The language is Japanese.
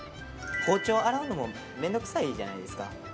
包丁洗うのも面倒くさいじゃないですか。